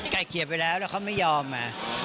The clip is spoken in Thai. เกลียดไปแล้วแล้วเขาไม่ยอม